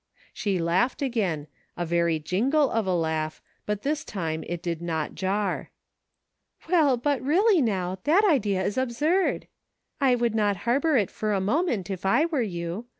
She laughed again, a very jingle of a laugh, but this time it did not jar. " Well, but really, now, that idea is absurd ; I would not harbor it for a moment, if I were you.